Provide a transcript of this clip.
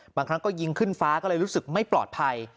บางครั้งก็ยิงขึ้นฟ้าก็เลยรู้สึกไม่ปลอดภัย